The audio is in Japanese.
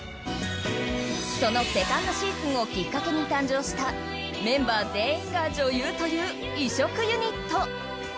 そのセカンドシーズンをきっかけに誕生したメンバー全員が女優という、異色ユニット。